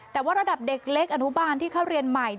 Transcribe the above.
แต่ว่าระดับเด็กเล็กอนุบาลที่เข้าเรียนใหม่